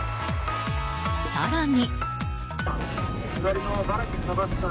更に。